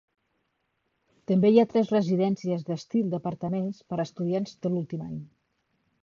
També hi ha tres residències d'estil d'apartaments per a estudiants d'últim any.